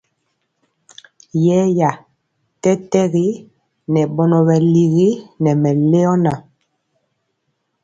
Yeeya tɛtɛgi ŋɛ bɔnɔ bɛ ligi nɛ mɛleoma.